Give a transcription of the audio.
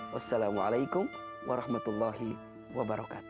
wassalamualaikum warahmatullahi wabarakatuh